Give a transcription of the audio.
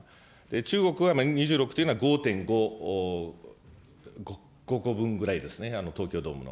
中国は２６というのは５．５個分ぐらいですね、東京ドームの。